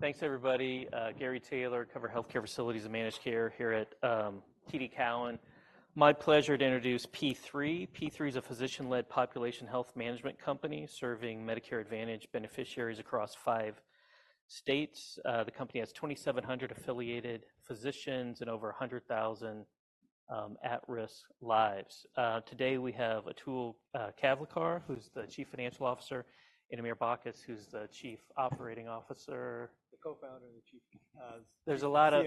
Thanks, everybody. Gary Taylor, covering health care facilities and managed care here at TD Cowen. My pleasure to introduce P3. P3 is a physician-led population health management company serving Medicare Advantage beneficiaries across five states. The company has 2,700 affiliated physicians and over 100,000 at-risk lives. Today we have Atul Kavthekar, who's the Chief Financial Officer, and Amir Bacchus, who's the Chief Operating Officer. The co-founder and the chief. There's a lot of.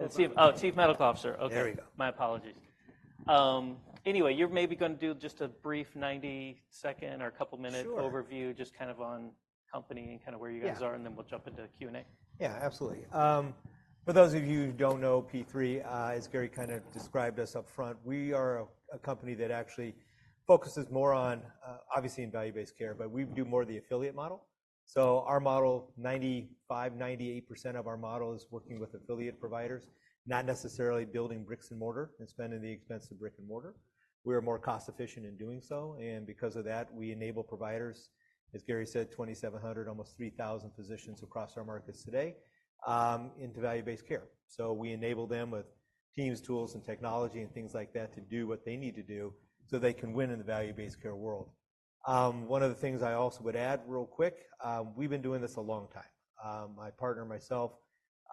CMO. Oh, Chief Medical Officer. Okay. There we go. My apologies. Anyway, you're maybe going to do just a brief 90-second or a couple of minutes overview just kind of on company and kind of where you guys are, and then we'll jump into Q&A. Yeah, absolutely. For those of you who don't know P3, as Gary kind of described us upfront, we are a company that actually focuses more on, obviously in value-based care, but we do more of the affiliate model. So our model, 95%-98% of our model is working with affiliate providers, not necessarily building bricks and mortar and spending the expense of brick and mortar. We are more cost-efficient in doing so. And because of that, we enable providers, as Gary said, 2,700, almost 3,000 physicians across our markets today into value-based care. So we enable them with teams, tools, and technology, and things like that to do what they need to do so they can win in the value-based care world. One of the things I also would add real quick, we've been doing this a long time. My partner and myself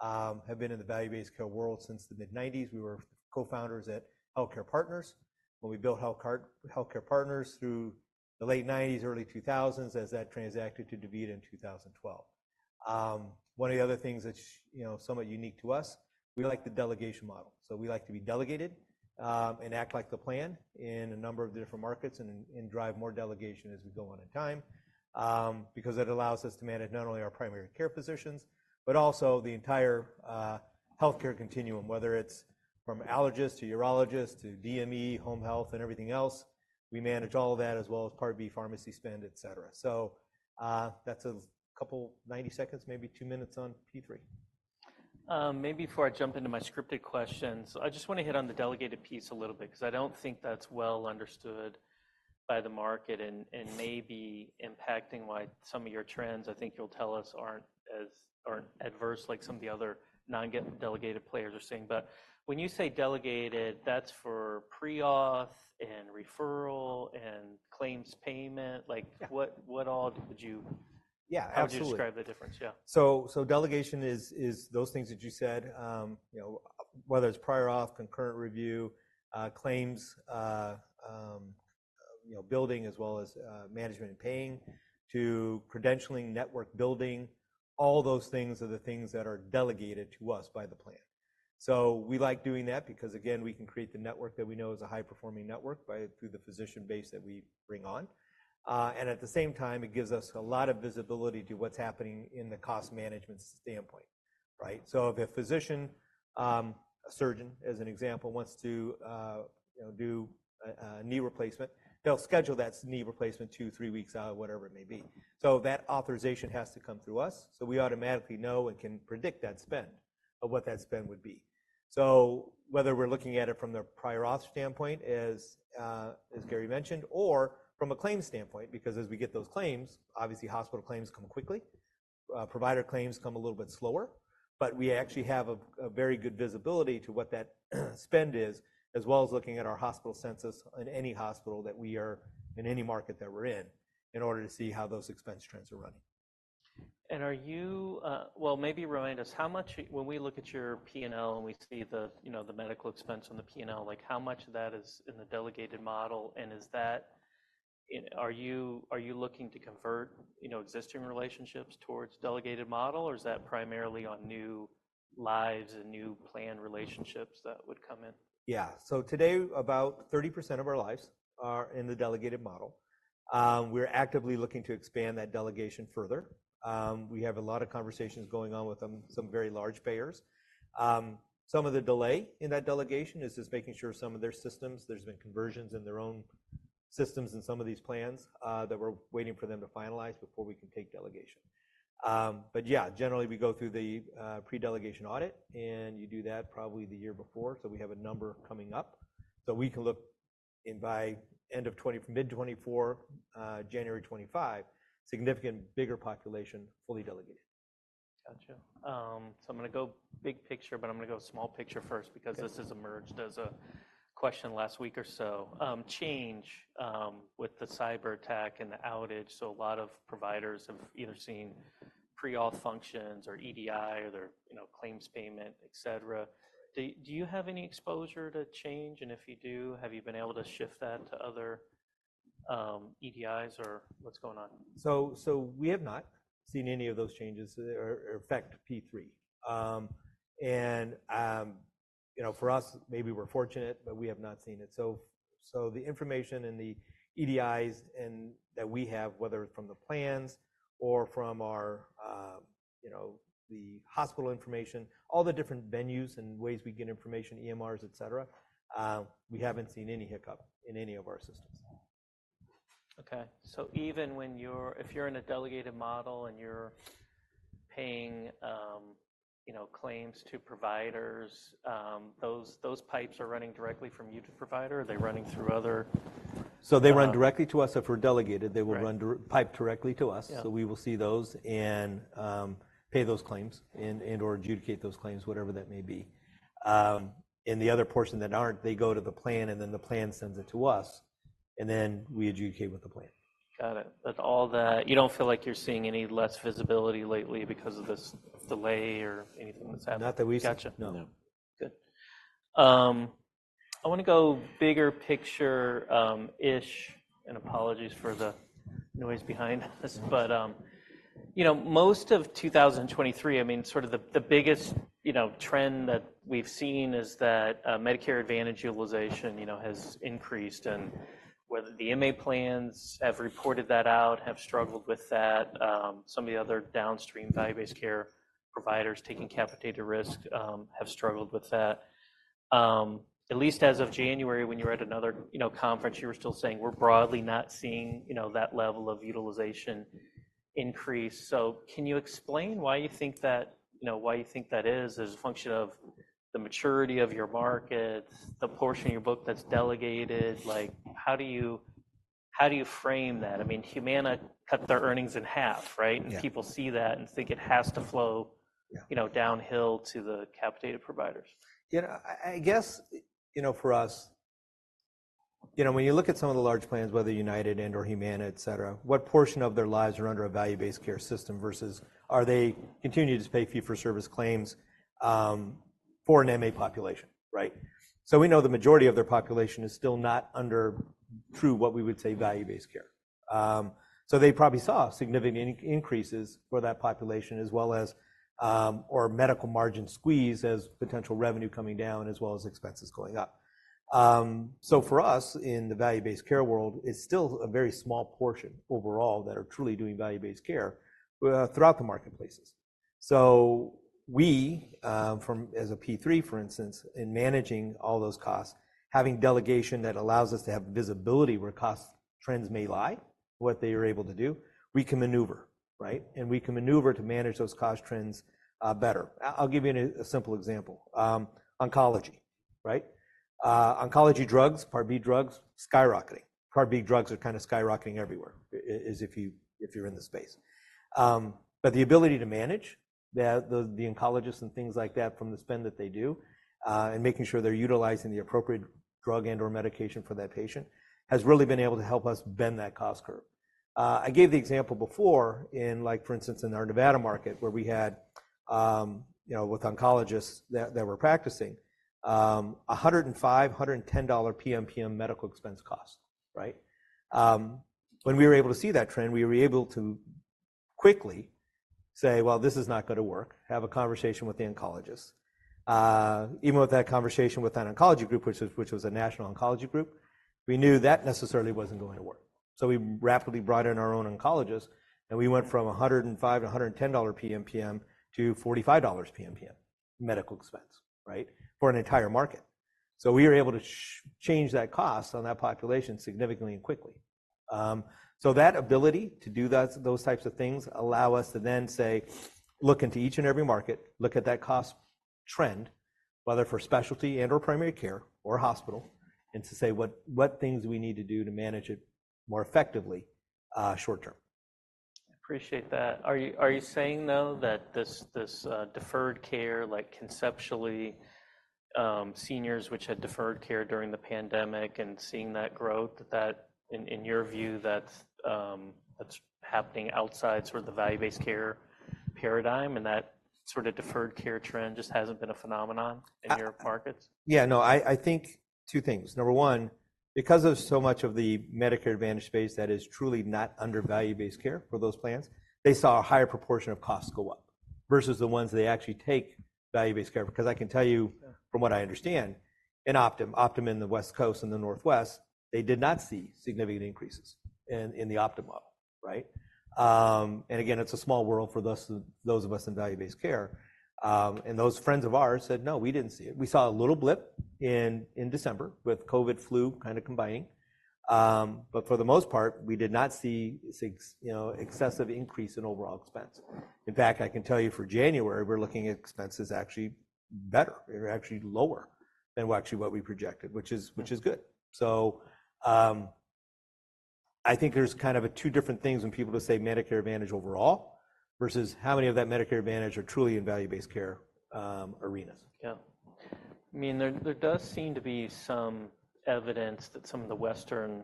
have been in the value-based care world since the mid-1990s. We were co-founders at HealthCare Partners when we built HealthCare Partners through the late 1990s, early 2000s, as that transacted to DaVita in 2012. One of the other things that's somewhat unique to us, we like the delegation model. So we like to be delegated and act like the plan in a number of different markets and drive more delegation as we go on in time because that allows us to manage not only our primary care physicians but also the entire healthcare continuum, whether it's from allergists to urologists to DME, home health, and everything else. We manage all of that as well as Part B pharmacy spend, etc. So that's a couple of 90 seconds, maybe 2 minutes on P3. Maybe before I jump into my scripted questions, I just want to hit on the delegated piece a little bit because I don't think that's well understood by the market and may be impacting why some of your trends, I think you'll tell us, aren't adverse like some of the other non-delegated players are saying. But when you say delegated, that's for pre-auth and referral and claims payment. What all would you describe the difference? Yeah, absolutely. So delegation is those things that you said, whether it's prior auth, concurrent review, claims building as well as management and paying to credentialing, network building. All those things are the things that are delegated to us by the plan. So we like doing that because, again, we can create the network that we know is a high-performing network through the physician base that we bring on. And at the same time, it gives us a lot of visibility to what's happening in the cost management standpoint, right? So if a physician, a surgeon as an example, wants to do a knee replacement, they'll schedule that knee replacement 2, 3 weeks out, whatever it may be. So that authorization has to come through us. So we automatically know and can predict that spend of what that spend would be. So whether we're looking at it from the prior auth standpoint, as Gary mentioned, or from a claim standpoint because as we get those claims, obviously hospital claims come quickly, provider claims come a little bit slower. But we actually have a very good visibility to what that spend is as well as looking at our hospital census in any hospital that we are in any market that we're in in order to see how those expense trends are running. And are you well, maybe remind us, when we look at your P&L and we see the medical expense on the P&L, how much of that is in the delegated model? And are you looking to convert existing relationships towards delegated model, or is that primarily on new lives and new plan relationships that would come in? Yeah. So today, about 30% of our lives are in the delegated model. We're actively looking to expand that delegation further. We have a lot of conversations going on with some very large payers. Some of the delay in that delegation is just making sure some of their systems, there's been conversions in their own systems in some of these plans that we're waiting for them to finalize before we can take delegation. But yeah, generally, we go through the pre-delegation audit, and you do that probably the year before. So we have a number coming up. So we can look by end of mid-2024, January 2025, significant bigger population fully delegated. Gotcha. So I'm going to go big picture, but I'm going to go small picture first because this has emerged as a question last week or so. Change Healthcare with the cyberattack and the outage, so a lot of providers have either seen pre-auth functions or EDI or their claims payment, etc. Do you have any exposure to Change Healthcare? And if you do, have you been able to shift that to other EDIs, or what's going on? We have not seen any of those changes affect P3. For us, maybe we're fortunate, but we have not seen it. The information and the EDIs that we have, whether it's from the plans or from the hospital information, all the different venues and ways we get information, EMRs, etc., we haven't seen any hiccup in any of our systems. Okay. So even if you're in a delegated model and you're paying claims to providers, those pipes are running directly from you to provider, or are they running through other? So they run directly to us. If we're delegated, they will pipe directly to us. So we will see those and pay those claims and/or adjudicate those claims, whatever that may be. And the other portion that aren't, they go to the plan, and then the plan sends it to us, and then we adjudicate with the plan. Got it. You don't feel like you're seeing any less visibility lately because of this delay or anything that's happened? Not that we see. Gotcha. No. Good. I want to go bigger picture-ish, and apologies for the noise behind us. But most of 2023, I mean, sort of the biggest trend that we've seen is that Medicare Advantage utilization has increased, and whether the MA plans have reported that out, have struggled with that. Some of the other downstream value-based care providers taking capitated risk have struggled with that. At least as of January, when you were at another conference, you were still saying, "We're broadly not seeing that level of utilization increase." So can you explain why you think that is as a function of the maturity of your markets, the portion of your book that's delegated? How do you frame that? I mean, Humana cut their earnings in half, right? And people see that and think it has to flow downhill to the capitated providers. Yeah. I guess for us, when you look at some of the large plans, whether United and/or Humana, etc., what portion of their lives are under a value-based care system versus are they continuing to pay fee-for-service claims for an MA population, right? So we know the majority of their population is still not under through what we would say value-based care. So they probably saw significant increases for that population as well as or medical margin squeeze as potential revenue coming down as well as expenses going up. So for us, in the value-based care world, it's still a very small portion overall that are truly doing value-based care throughout the marketplaces. So we, as a P3, for instance, in managing all those costs, having delegation that allows us to have visibility where cost trends may lie, what they are able to do, we can maneuver, right? We can maneuver to manage those cost trends better. I'll give you a simple example: oncology, right? Oncology drugs, Part B drugs, skyrocketing. Part B drugs are kind of skyrocketing everywhere as if you're in the space. But the ability to manage the oncologists and things like that from the spend that they do and making sure they're utilizing the appropriate drug and/or medication for that patient has really been able to help us bend that cost curve. I gave the example before in, for instance, in our Nevada market where we had with oncologists that were practicing $105-$110 PM/PM medical expense cost, right? When we were able to see that trend, we were able to quickly say, "Well, this is not going to work," have a conversation with the oncologists. Even with that conversation with that oncology group, which was a national oncology group, we knew that necessarily wasn't going to work. So we rapidly brought in our own oncologists, and we went from $105-$110 PM/PM to $45 PM/PM medical expense, right, for an entire market. So we were able to change that cost on that population significantly and quickly. So that ability to do those types of things allow us to then say, "Look into each and every market, look at that cost trend, whether for specialty and/or primary care or hospital, and to say what things we need to do to manage it more effectively short term. I appreciate that. Are you saying, though, that this deferred care, conceptually, seniors which had deferred care during the pandemic and seeing that growth, that in your view, that's happening outside sort of the value-based care paradigm and that sort of deferred care trend just hasn't been a phenomenon in your markets? Yeah. No, I think two things. Number one, because of so much of the Medicare Advantage space that is truly not under value-based care for those plans, they saw a higher proportion of costs go up versus the ones they actually take value-based care. Because I can tell you from what I understand, in Optum in the West Coast and the Northwest, they did not see significant increases in the Optum model, right? And again, it's a small world for those of us in value-based care. And those friends of ours said, "No, we didn't see it. We saw a little blip in December with COVID, flu kind of combining. But for the most part, we did not see excessive increase in overall expense. In fact, I can tell you for January, we're looking at expenses actually better. They're actually lower than actually what we projected, which is good. I think there's kind of two different things when people just say Medicare Advantage overall versus how many of that Medicare Advantage are truly in value-based care arenas. Yeah. I mean, there does seem to be some evidence that some of the Western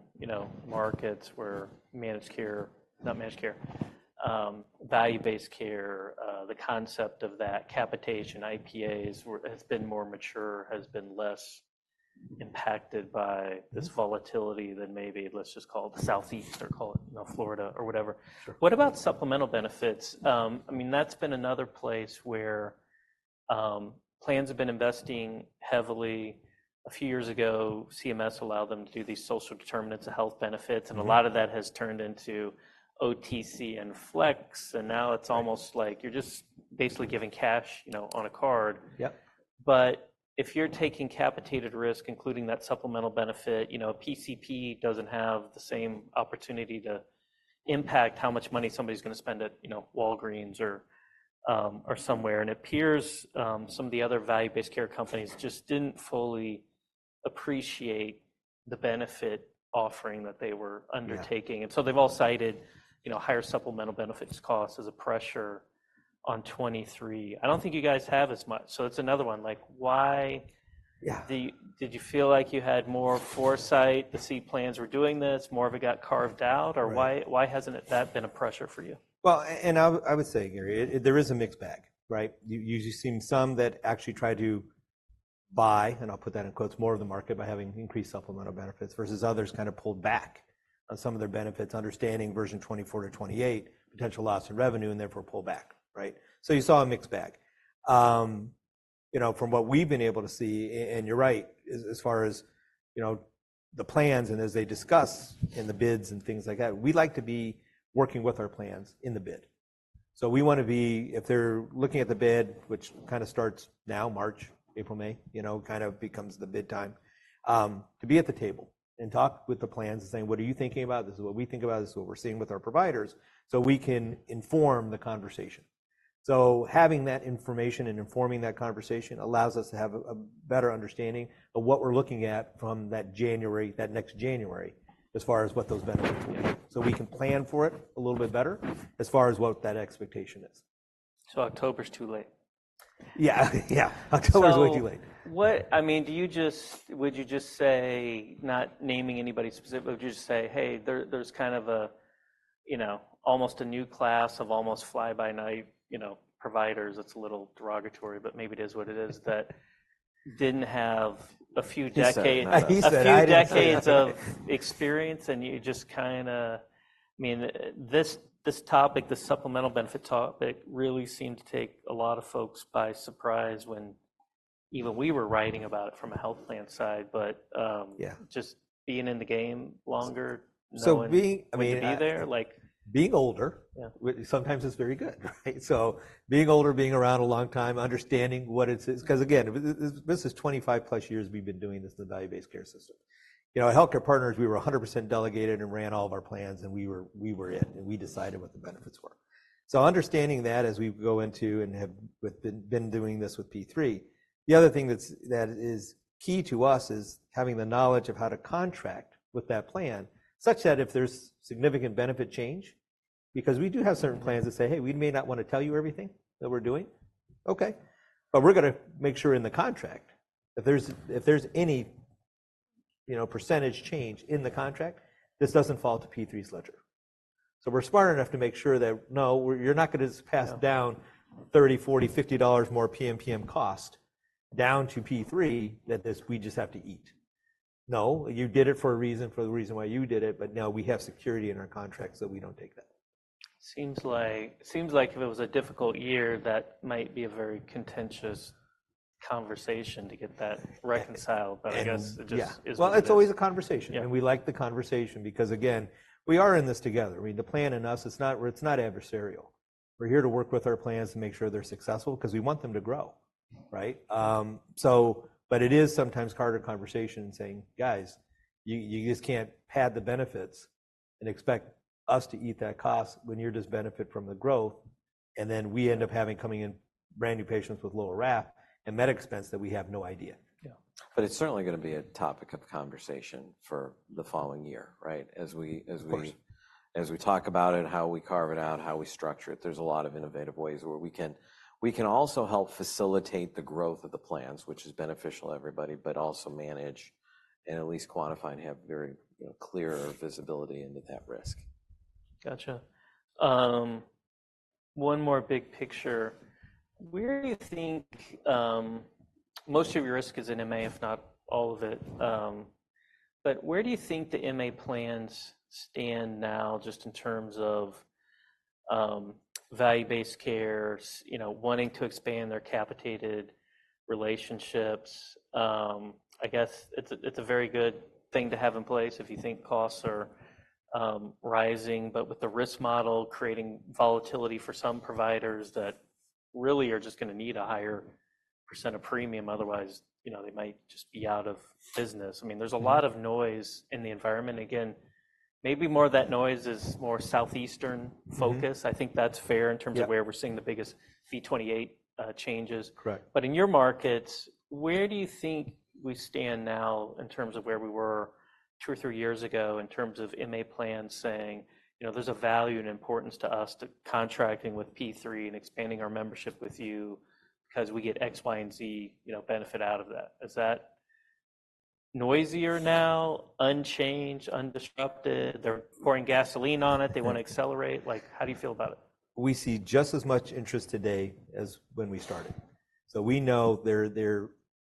markets where managed care not managed care, value-based care, the concept of that capitation, IPAs, has been more mature, has been less impacted by this volatility than maybe, let's just call it Southeast or call it Florida or whatever. What about supplemental benefits? I mean, that's been another place where plans have been investing heavily. A few years ago, CMS allowed them to do these social determinants of health benefits, and a lot of that has turned into OTC and flex. And now it's almost like you're just basically giving cash on a card. But if you're taking capitated risk, including that supplemental benefit, a PCP doesn't have the same opportunity to impact how much money somebody's going to spend at Walgreens or somewhere. It appears some of the other Value-Based Care companies just didn't fully appreciate the benefit offering that they were undertaking. So they've all cited higher Supplemental Benefits costs as a pressure on 2023. I don't think you guys have as much. So it's another one. Did you feel like you had more foresight to see plans were doing this, more of it got carved out, or why hasn't that been a pressure for you? Well, and I would say, Gary, there is a mixed bag, right? You see some that actually try to buy, and I'll put that in quotes, "more of the market" by having increased supplemental benefits versus others kind of pulled back on some of their benefits, understanding version 24 to 28, potential loss in revenue, and therefore pull back, right? So you saw a mixed bag. From what we've been able to see, and you're right, as far as the plans and as they discuss in the bids and things like that, we like to be working with our plans in the bid. So we want to be if they're looking at the bid, which kind of starts now, March, April, May, kind of becomes the bid time, to be at the table and talk with the plans and saying, "What are you thinking about? This is what we think about. This is what we're seeing with our providers," so we can inform the conversation. So having that information and informing that conversation allows us to have a better understanding of what we're looking at from that next January as far as what those benefits will be. So we can plan for it a little bit better as far as what that expectation is. So October's too late. Yeah. Yeah. October's way too late. I mean, would you just say not naming anybody specifically, would you just say, "Hey, there's kind of almost a new class of almost fly-by-night providers"? It's a little derogatory, but maybe it is what it is that didn't have a few decades of experience, and you just kind of I mean, this topic, the supplemental benefit topic, really seemed to take a lot of folks by surprise when even we were writing about it from a health plan side. But just being in the game longer, knowing how to be there. Being older, sometimes it's very good, right? So being older, being around a long time, understanding what it is because, again, this is 25+ years we've been doing this in the value-based care system. At HealthCare Partners, we were 100% delegated and ran all of our plans, and we were in, and we decided what the benefits were. So understanding that as we go into and have been doing this with P3, the other thing that is key to us is having the knowledge of how to contract with that plan such that if there's significant benefit change because we do have certain plans that say, "Hey, we may not want to tell you everything that we're doing. Okay. But we're going to make sure in the contract, if there's any percentage change in the contract, this doesn't fall to P3's ledger. So we're smart enough to make sure that, "No, you're not going to just pass down $30, $40, $50 more PM/PM cost down to P3 that we just have to eat." No, you did it for a reason, for the reason why you did it, but now we have security in our contract so we don't take that. Seems like if it was a difficult year, that might be a very contentious conversation to get that reconciled, but I guess it just is what it is. Well, it's always a conversation. And we like the conversation because, again, we are in this together. I mean, the plan in us, it's not adversarial. We're here to work with our plans to make sure they're successful because we want them to grow, right? But it is sometimes harder conversation saying, "Guys, you just can't pad the benefits and expect us to eat that cost when you're just benefit from the growth." And then we end up having coming in brand new patients with lower RAF and med expense that we have no idea. Yeah. But it's certainly going to be a topic of conversation for the following year, right, as we talk about it, how we carve it out, how we structure it. There's a lot of innovative ways where we can also help facilitate the growth of the plans, which is beneficial to everybody, but also manage and at least quantify and have very clear visibility into that risk. Gotcha. One more big picture. Where do you think most of your risk is in MA, if not all of it? But where do you think the MA plans stand now just in terms of value-based care, wanting to expand their capitated relationships? I guess it's a very good thing to have in place if you think costs are rising, but with the risk model creating volatility for some providers that really are just going to need a higher percent of premium, otherwise they might just be out of business. I mean, there's a lot of noise in the environment. And again, maybe more of that noise is more Southeastern focus. I think that's fair in terms of where we're seeing the biggest V28 changes. But in your markets, where do you think we stand now in terms of where we were two or three years ago in terms of MA plans saying, "There's a value and importance to us to contracting with P3 and expanding our membership with you because we get X, Y, and Z benefit out of that"? Is that noisier now, unchanged, undisrupted? They're pouring gasoline on it. They want to accelerate. How do you feel about it? We see just as much interest today as when we started. So we know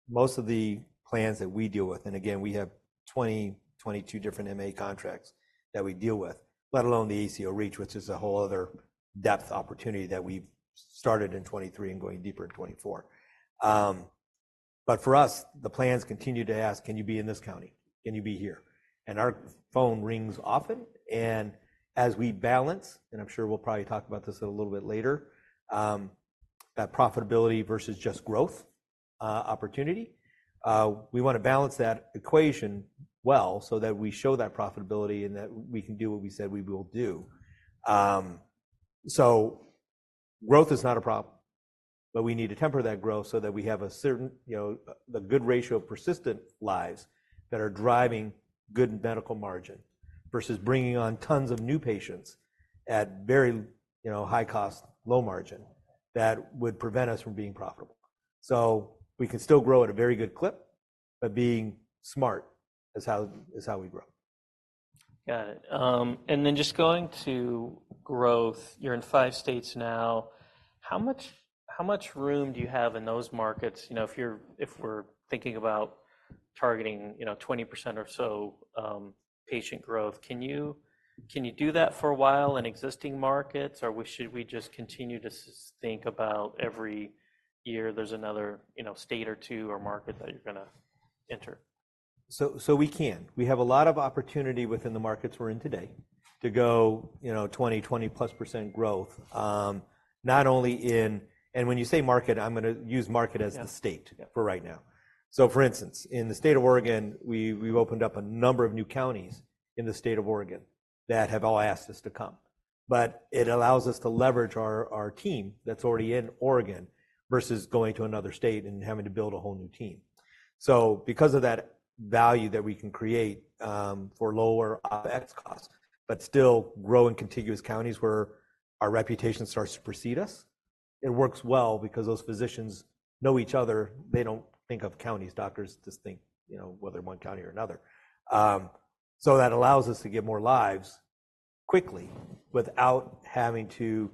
most of the plans that we deal with and again, we have 20, 22 different MA contracts that we deal with, let alone the ACO REACH, which is a whole other depth opportunity that we've started in 2023 and going deeper in 2024. But for us, the plans continue to ask, "Can you be in this county? Can you be here?" And our phone rings often. And as we balance and I'm sure we'll probably talk about this a little bit later, that profitability versus just growth opportunity, we want to balance that equation well so that we show that profitability and that we can do what we said we will do. Growth is not a problem, but we need to temper that growth so that we have a certain good ratio of persistent lives that are driving good medical margin versus bringing on tons of new patients at very high cost, low margin that would prevent us from being profitable. We can still grow at a very good clip, but being smart is how we grow. Got it. And then just going to growth, you're in 5 states now. How much room do you have in those markets? If we're thinking about targeting 20% or so patient growth, can you do that for a while in existing markets, or should we just continue to think about every year there's another state or 2 or market that you're going to enter? So we can. We have a lot of opportunity within the markets we're in today to go 20%-20+% growth, not only in and when you say market, I'm going to use market as the state for right now. So for instance, in the state of Oregon, we've opened up a number of new counties in the state of Oregon that have all asked us to come. But it allows us to leverage our team that's already in Oregon versus going to another state and having to build a whole new team. So because of that value that we can create for lower OPEX costs, but still grow in contiguous counties where our reputation starts to precede us, it works well because those physicians know each other. They don't think of counties. Doctors just think whether one county or another. So that allows us to get more lives quickly without having to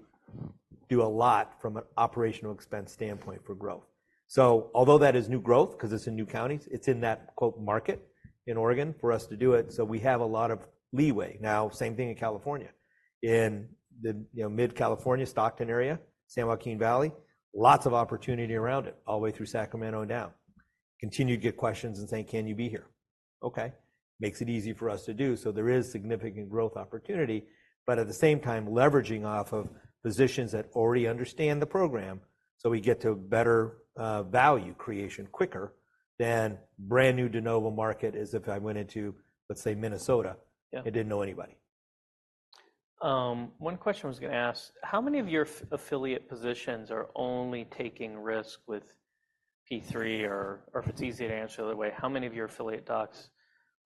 do a lot from an operational expense standpoint for growth. So although that is new growth because it's in new counties, it's in that "market" in Oregon for us to do it. So we have a lot of leeway. Now, same thing in California. In mid-California, Stockton area, San Joaquin Valley, lots of opportunity around it all the way through Sacramento and down. Continue to get questions and saying, "Can you be here?" Okay. Makes it easy for us to do. So there is significant growth opportunity, but at the same time, leveraging off of physicians that already understand the program so we get to better value creation quicker than brand new de novo market as if I went into, let's say, Minnesota and didn't know anybody. One question I was going to ask, how many of your affiliate positions are only taking risk with P3? Or if it's easy to answer the other way, how many of your affiliate docs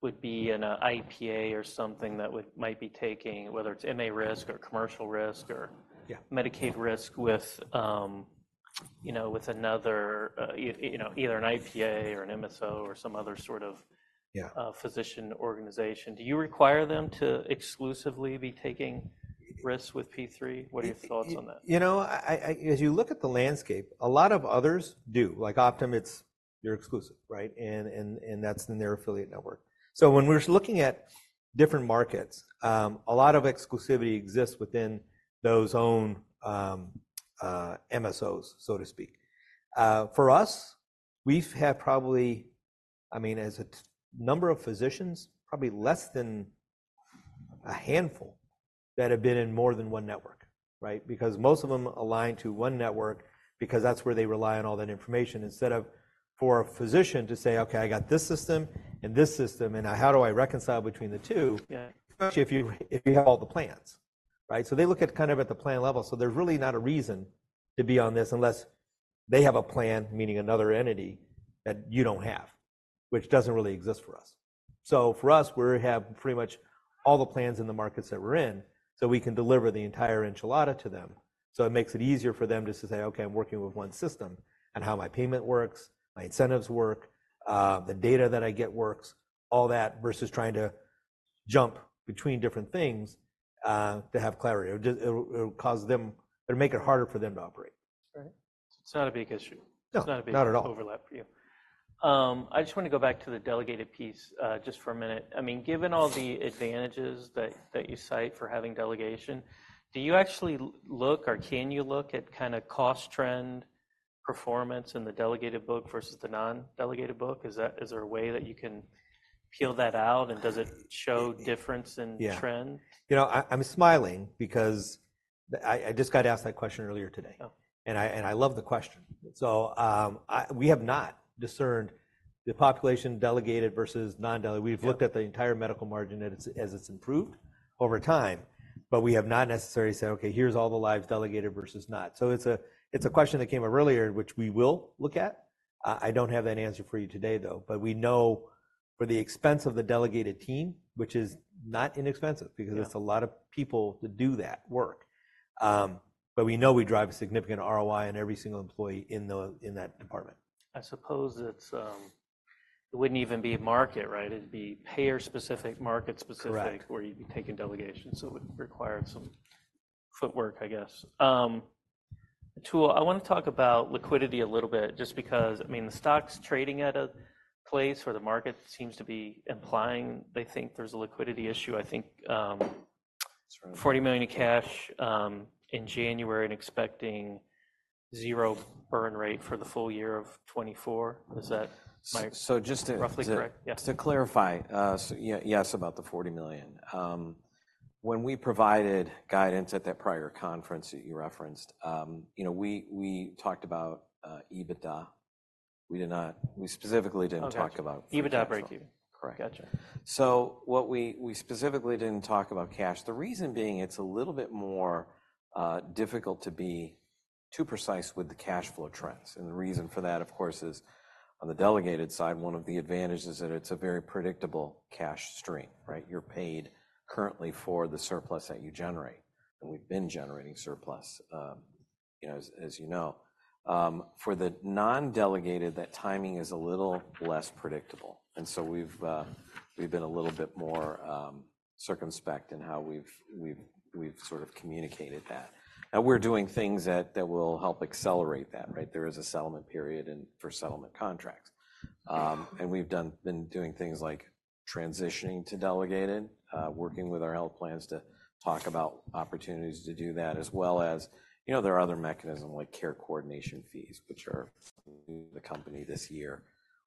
would be in an IPA or something that might be taking, whether it's MA risk or commercial risk or Medicaid risk with another either an IPA or an MSO or some other sort of physician organization? Do you require them to exclusively be taking risk with P3? What are your thoughts on that? As you look at the landscape, a lot of others do. Like Optum, you're exclusive, right? And that's in their affiliate network. So when we're looking at different markets, a lot of exclusivity exists within those own MSOs, so to speak. For us, we have probably I mean, as a number of physicians, probably less than a handful that have been in more than one network, right? Because most of them align to one network because that's where they rely on all that information instead of for a physician to say, "Okay, I got this system and this system, and how do I reconcile between the two, especially if you have all the plans," right? So they look at kind of at the plan level. So there's really not a reason to be on this unless they have a plan, meaning another entity that you don't have, which doesn't really exist for us. So for us, we have pretty much all the plans in the markets that we're in so we can deliver the entire enchilada to them. So it makes it easier for them to say, "Okay, I'm working with one system. And how my payment works, my incentives work, the data that I get works, all that," versus trying to jump between different things to have clarity. It'll make it harder for them to operate. Right. So it's not a big issue. It's not a big overlap for you. I just want to go back to the delegated piece just for a minute. I mean, given all the advantages that you cite for having delegation, do you actually look or can you look at kind of cost trend performance in the delegated book versus the non-delegated book? Is there a way that you can peel that out, and does it show difference in trend? Yeah. I'm smiling because I just got asked that question earlier today. I love the question. We have not discerned the population delegated versus non-delegated. We've looked at the entire medical margin as it's improved over time, but we have not necessarily said, "Okay, here's all the lives delegated versus not." It's a question that came up earlier, which we will look at. I don't have that answer for you today, though. We know for the expense of the delegated team, which is not inexpensive because it's a lot of people to do that work. We know we drive a significant ROI on every single employee in that department. I suppose it wouldn't even be a market, right? It'd be payer-specific, market-specific where you'd be taking delegation. So it would require some footwork, I guess. I want to talk about liquidity a little bit just because, I mean, the stock's trading at a place where the market seems to be implying they think there's a liquidity issue. I think $40 million in cash in January and expecting zero burn rate for the full year of 2024. Is that roughly correct? So, just to clarify, yes, about the $40 million. When we provided guidance at that prior conference that you referenced, we talked about EBITDA. We specifically didn't talk about cash. Oh, EBITDA breakeven. Gotcha. So what we specifically didn't talk about cash, the reason being it's a little bit more difficult to be too precise with the cash flow trends. And the reason for that, of course, is on the delegated side, one of the advantages is that it's a very predictable cash stream, right? You're paid currently for the surplus that you generate. And we've been generating surplus, as you know. For the non-delegated, that timing is a little less predictable. And so we've been a little bit more circumspect in how we've sort of communicated that. Now, we're doing things that will help accelerate that, right? There is a settlement period for settlement contracts. We've been doing things like transitioning to delegated, working with our health plans to talk about opportunities to do that, as well as there are other mechanisms like care coordination fees, which are new to the company this year,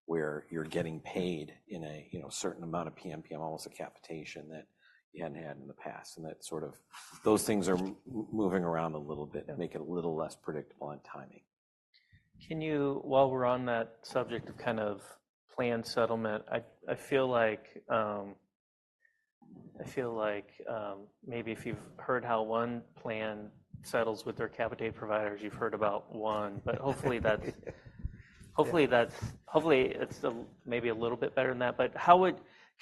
where you're getting paid a certain amount of PMP, almost a capitation that you hadn't had in the past. And those things are moving around a little bit and make it a little less predictable on timing. While we're on that subject of kind of plan settlement, I feel like maybe if you've heard how one plan settles with their capitated providers, you've heard about one. But hopefully, it's maybe a little bit better than that. But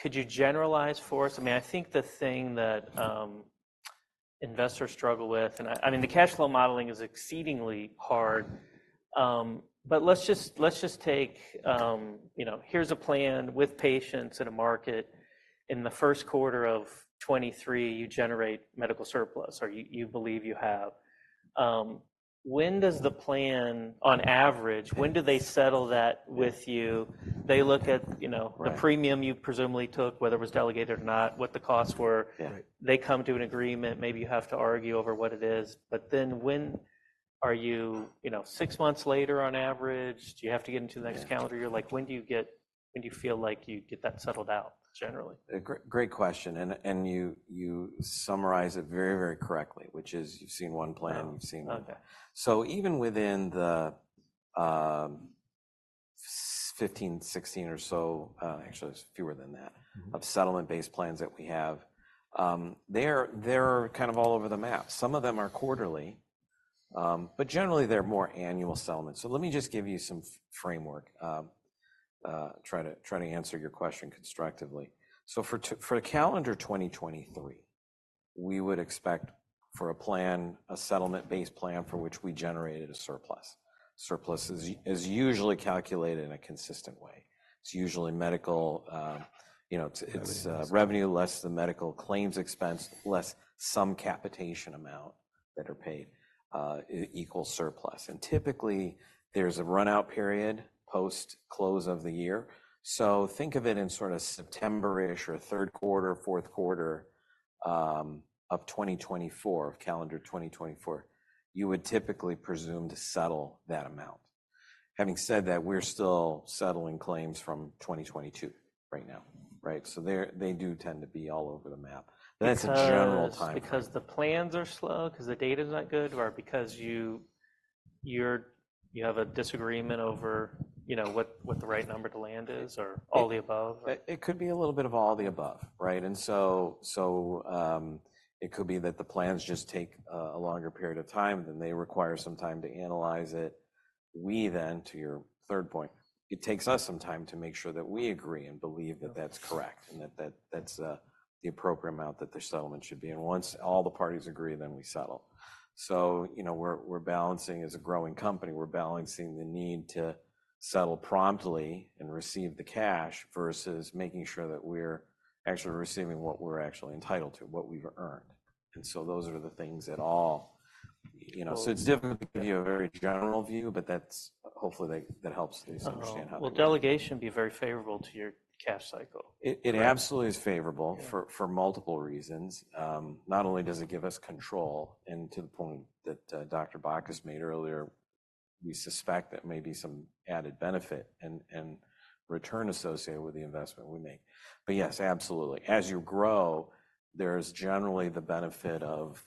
could you generalize for us? I mean, I think the thing that investors struggle with and I mean, the cash flow modeling is exceedingly hard. But let's just take here's a plan with patients in a market. In the first quarter of 2023, you generate medical surplus, or you believe you have. When does the plan, on average, when do they settle that with you? They look at the premium you presumably took, whether it was delegated or not, what the costs were. They come to an agreement. Maybe you have to argue over what it is. But then when are you six months later, on average? Do you have to get into the next calendar year? When do you feel like you get that settled out, generally? Great question. You summarize it very, very correctly, which is you've seen one plan. You've seen one. So even within the 15, 16 or so actually, it's fewer than that of settlement-based plans that we have, they're kind of all over the map. Some of them are quarterly. But generally, they're more annual settlements. So let me just give you some framework, trying to answer your question constructively. So for the calendar 2023, we would expect for a settlement-based plan for which we generated a surplus. Surplus is usually calculated in a consistent way. It's usually medical, it's revenue less the medical claims expense less some capitation amount that are paid equals surplus. And typically, there's a runout period post-close of the year. So think of it in sort of September-ish or third quarter, fourth quarter of 2024, of calendar 2024. You would typically presume to settle that amount. Having said that, we're still settling claims from 2022 right now, right? So they do tend to be all over the map. That's a general timeframe. Is that because the plans are slow, because the data is not good, or because you have a disagreement over what the right number to land is or all the above? It could be a little bit of all the above, right? And so it could be that the plans just take a longer period of time, then they require some time to analyze it. We then, to your third point, it takes us some time to make sure that we agree and believe that that's correct and that that's the appropriate amount that the settlement should be. And once all the parties agree, then we settle. So we're balancing as a growing company, we're balancing the need to settle promptly and receive the cash versus making sure that we're actually receiving what we're actually entitled to, what we've earned. And so those are the things that all so it's difficult to give you a very general view, but hopefully, that helps you understand how. Well, delegation be very favorable to your cash cycle. It absolutely is favorable for multiple reasons. Not only does it give us control and to the point that Dr. Bacchus made earlier, we suspect that may be some added benefit and return associated with the investment we make. But yes, absolutely. As you grow, there's generally the benefit of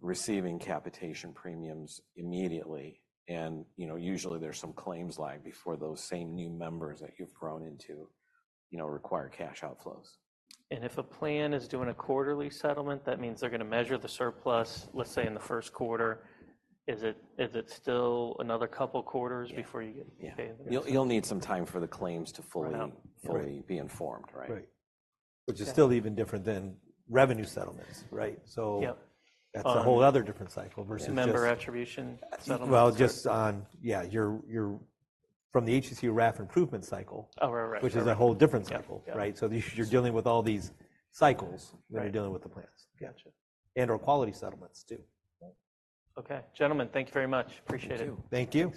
receiving capitation premiums immediately. And usually, there's some claims lag before those same new members that you've grown into require cash outflows. If a plan is doing a quarterly settlement, that means they're going to measure the surplus, let's say, in the first quarter. Is it still another couple quarters before you get paid? Yeah. You'll need some time for the claims to fully be informed, right? Which is still even different than revenue settlements, right? So that's a whole other different cycle versus just. Member attribution settlements? Well, just on, yeah, from the HCC/RAF improvement cycle, which is a whole different cycle, right? So you're dealing with all these cycles when you're dealing with the plans. And/or quality settlements too. Okay. Gentlemen, thank you very much. Appreciate it. Thank you.